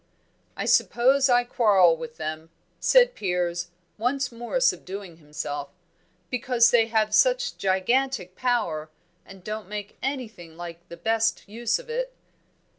"I suppose I quarrel with them," said Piers, once more subduing himself, "because they have such gigantic power and don't make anything like the best use of it."